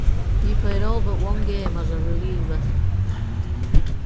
He played all but one game as a reliever.